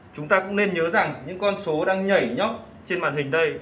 chúng ta cũng nên nhớ rằng những con số đang nhảy nhóc trên màn hình đây